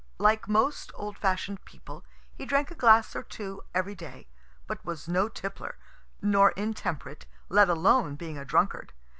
Like most old fashion'd people, he drank a glass or two every day, but was no tippler, nor intemperate, let alone being a drunkard.